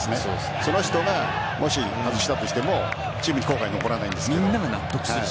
その人が、もし外したとしてもチームに後悔残らないんです。